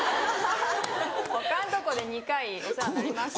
他のとこで２回お世話になりました。